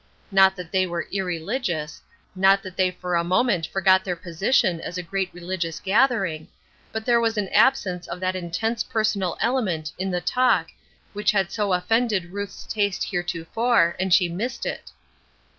Not that they were irreligious, not that they for a moment forgot their position as a great religious gathering; but there was an absence of that intense personal element in the talk which had so offended Ruth's taste heretofore, and she missed it.